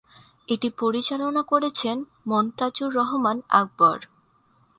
এটি পরিচালনা করেছেন মনতাজুর রহমান আকবর।